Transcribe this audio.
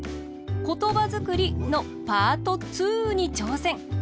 「ことばづくり」のパート２にちょうせん！